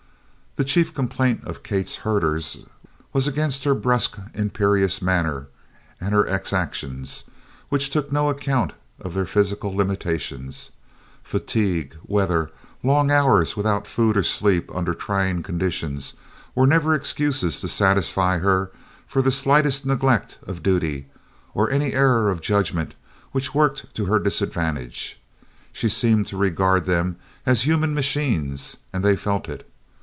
The chief complaint of Kate's herders was against her brusque imperious manner and her exactions, which took no account of their physical limitations. Fatigue, weather, long hours without food or sleep under trying conditions, were never excuses to satisfy her for the slightest neglect of duty, or any error of judgment which worked to her disadvantage. She seemed to regard them as human machines and they felt it.